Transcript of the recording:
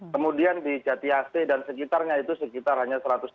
kemudian di jatiase dan sekitarnya itu sekitar hanya satu ratus tiga puluh empat